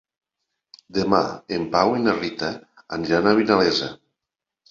Demà en Pau i na Rita aniran a Vinalesa.